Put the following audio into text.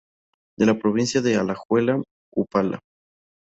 De la provincia de Alajuela: Upala.